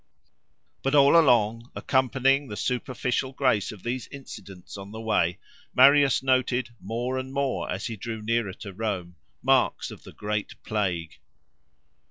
But all along, accompanying the superficial grace of these incidents of the way, Marius noted, more and more as he drew nearer to Rome, marks of the great plague.